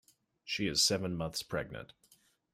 She is seven months pregnant.